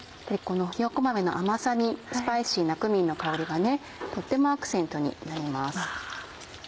このひよこ豆の甘さにスパイシーなクミンの香りがとってもアクセントになります。